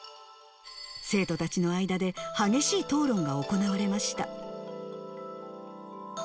生徒たちの間で、激しい討論が行われました。